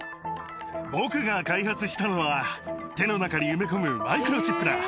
僕が開発したのは、手の中に埋め込むマイクロチップだ。